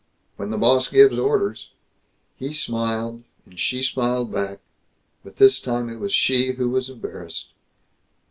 "When the boss gives orders!" He smiled, and she smiled back, but this time it was she who was embarrassed.